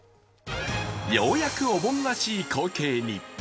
ようやくお盆らしい光景に。